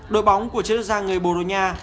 đội bóng của chế độc gia người borussia